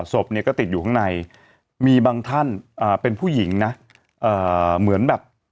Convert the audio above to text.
ศพเนี่ยก็ติดอยู่ข้างในมีบางท่านเป็นผู้หญิงนะเหมือนแบบ